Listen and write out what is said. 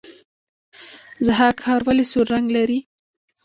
ضحاک ښار ولې سور رنګ لري؟